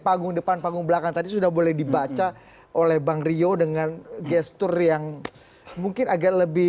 panggung depan panggung belakang tadi sudah boleh dibaca oleh bang rio dengan gestur yang mungkin agak lebih